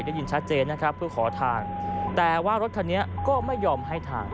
ได้ยินชัดเจนนะครับเพื่อขอทางแต่ว่ารถคันนี้ก็ไม่ยอมให้ทาง